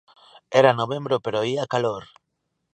Era novembro pero ía calor.